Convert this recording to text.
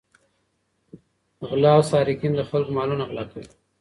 غله او سارقین د خلکو مالونه غلا کوي.